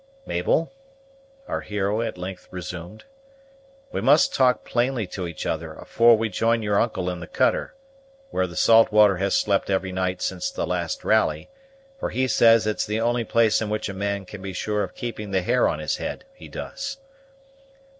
"Mabel," our hero at length resumed, "we must talk plainly to each other afore we join your uncle in the cutter, where the Saltwater has slept every night since the last rally, for he says it's the only place in which a man can be sure of keeping the hair on his head, he does.